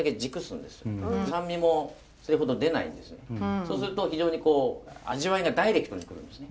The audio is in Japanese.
そうすると非常に味わいがダイレクトに来るんですね。